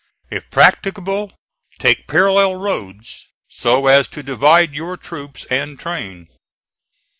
If practicable, take parallel roads, so as to divide your troops and train."